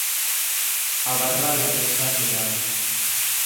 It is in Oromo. Abarraa Lammeessaa Hedaa